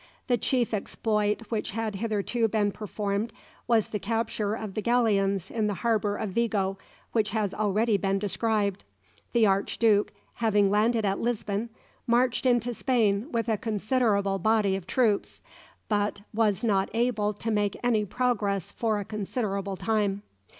The chief exploit which had hitherto been performed was the capture of the galleons in the harbour of Vigo, which has already been described. The Arch Duke, having landed at Lisbon, marched into Spain with a considerable body of troops, but was not able to make any progress for a considerable time.